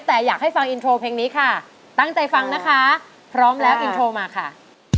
แต่อยากให้ฟังอินโทรเพลงนี้ค่ะตั้งใจฟังนะคะพร้อมแล้วอินโทรมาค่ะ